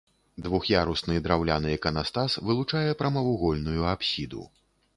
Двух'ярусны драўляны іканастас вылучае прамавугольную апсіду.